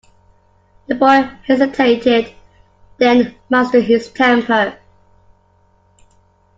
The boy hesitated, then mastered his temper.